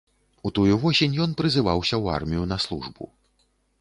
У тую восень ён прызываўся ў армію на службу.